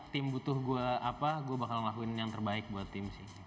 tim butuh gue apa gue bakal ngelakuin yang terbaik buat tim sih